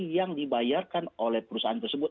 yang dibayarkan oleh perusahaan tersebut